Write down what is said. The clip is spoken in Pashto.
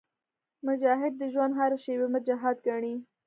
مجاهد د ژوند هره شېبه جهاد ګڼي.